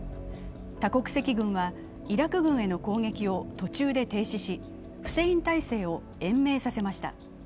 多国籍軍はイラク軍への攻撃を途中で停止しフセイン体制を延命させました。